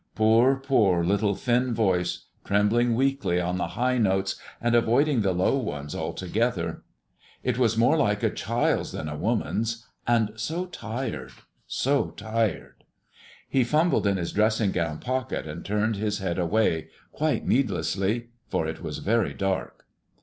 Poor, poor little thin voice, trembling weakly on the high notes and avoiding the low ones altogether. It was more like a child's than a woman's, and so tired so tired! He fumbled in his dressing gown pocket and turned his head away; quite needlessly, for it was very dark.